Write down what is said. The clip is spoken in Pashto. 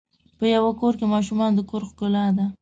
په یوه کور کې ماشومان د کور ښکلا ده.